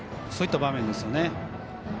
そういった場面ですよね。